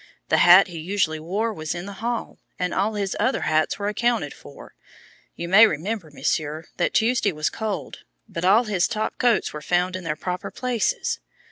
The hat he usually wore was in the hall, and all his other hats were accounted for. You may remember, Monsieur, that Tuesday was cold, but all his top coats were found in their proper places.